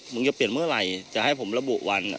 จะเปลี่ยนเมื่อไหร่จะให้ผมระบุวัน